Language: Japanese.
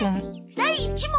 第１問！